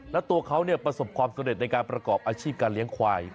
แล้วตัวเขาประสบความสำเร็จในการประกอบอาชีพการเลี้ยงควาย